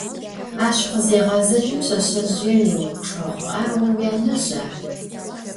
Aş khızêğezejım, pşseşsezjıêr yêupçç'ığ: Ar vo vuyanezja?